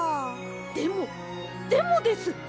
でもでもです！